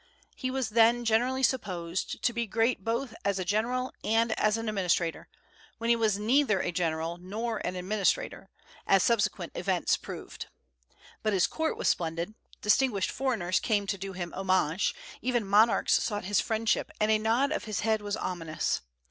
He was then generally supposed to be great both as a general and as an administrator, when he was neither a general nor an administrator, as subsequent events proved. But his court was splendid; distinguished foreigners came to do him homage; even monarchs sought his friendship, and a nod of his head was ominous.